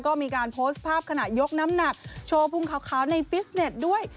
ก็มีการโพสต์ภาพขณะยกน้ำหนักโชว์พุงขาวในฟิสเน็ตด้วย